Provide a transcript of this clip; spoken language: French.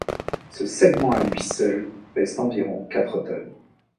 Ce segment à lui seul pèse environ quatre tonnes.